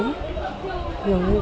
thế là cũng hay bị cắn